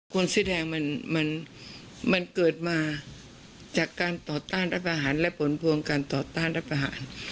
คนเสื้อแดงมันเกิดมาจากการต่อต้านรัฐประหารและผลพวงการต่อต้านรัฐประหาร